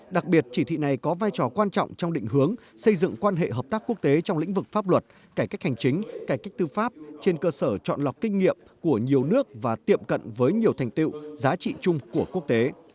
đặc biệt chỉ thị này có vai trò quan trọng trong định hướng xây dựng quan hệ hợp tác quốc tế trong lĩnh vực pháp luật cải cách hành chính cải cách tư pháp trên cơ sở chọn lọc kinh nghiệm của nhiều nước và tiệm cận với nhiều thành tiệu giá trị chung của quốc tế